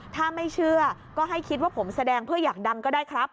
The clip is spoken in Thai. ถ้าไม่เชื่อก็ให้คิดว่าผมแสดงเพื่ออยากดังก็ได้ครับ